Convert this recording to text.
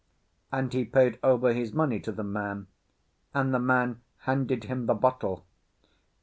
And he paid over his money to the man, and the man handed him the bottle.